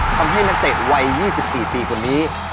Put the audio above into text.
ทำให้ตั้งแต่๒๔ปีกว่านี้